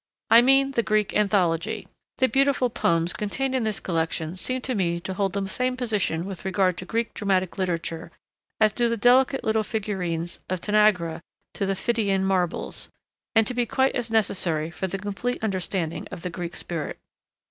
I mean the Greek Anthology. The beautiful poems contained in this collection seem to me to hold the same position with regard to Greek dramatic literature as do the delicate little figurines of Tanagra to the Phidian marbles, and to be quite as necessary for the complete understanding of the Greek spirit.